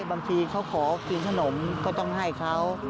บางทีเขาขอกินขนมก็ต้องให้เขา